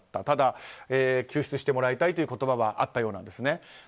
ただ、救出してもらいたいという言葉はあったようなんですね。